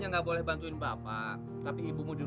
mas kabil harus konsekuen dong